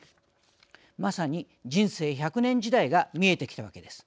まさに人生１００年時代が見えてきたわけです。